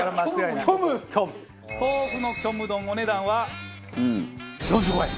豆腐の虚無丼お値段は４５円！